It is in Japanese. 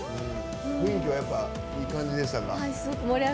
雰囲気はいい感じでしたか？